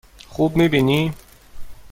خوب می بینی؟